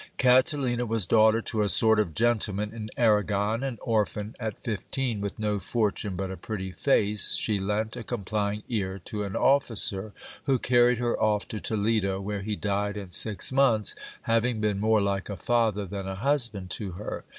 Catalina was daughter to a sort of gentleman in Arragon. An orphan at fifteen, with no fortune but a pretty face, she lent a complying ear to an officer who carried her off to Toledo, where he died in six months, having been more like a father than a husband to her.